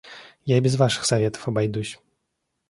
Я и без ваших советов обойдусь!